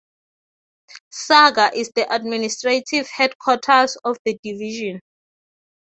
Sagar is the administrative headquarters of the division.